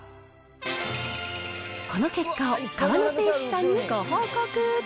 この結果を、河野製紙さんにご報告。